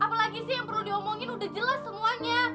apalagi sih yang perlu diomongin udah jelas semuanya